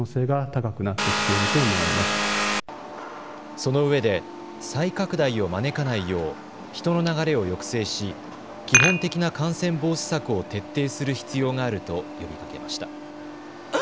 そのうえで再拡大を招かないよう人の流れを抑制し、基本的な感染防止策を徹底する必要があると呼びかけました。